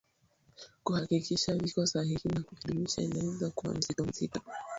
kuhakikisha viko sahihi na kuvidumisha inaweza kuwa mzigo mzito